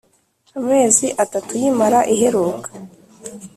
amezi atatu y imari iheruka